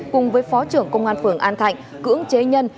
cùng với phó trưởng công an phường an thạnh cưỡng chế nhân